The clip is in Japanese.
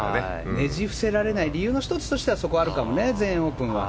ねじ伏せられない理由の１つとしてそこはあるかもね全英オープンは。